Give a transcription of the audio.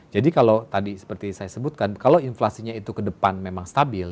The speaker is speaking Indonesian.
jadi kalau tadi seperti saya sebutkan kalau inflasinya itu ke depan memang stabil